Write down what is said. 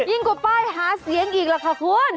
ยิ่งกว่าป้ายหาเสียงอีกแล้วค่ะคุณ